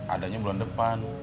adanya bulan depan